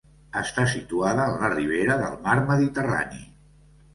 Està situada en la ribera del Mar Mediterrani.